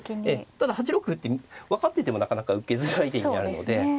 ただ８六歩って分かっててもなかなか受けづらい手になるので。